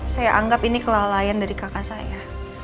saya anggap ini kelalaian dari kakak saya